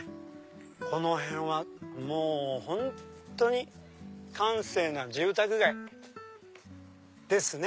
この辺はもう本当に閑静な住宅街ですね。